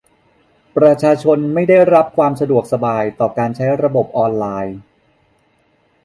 ประชาชนไม่ได้รับความสะดวกสบายต่อการใช้ระบบออนไลน์